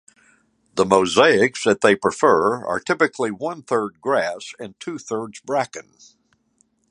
The mosaics that they prefer are typically one-third grass and two-thirds bracken.